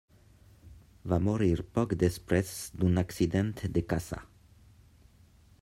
Va morir poc després d'un accident de caça.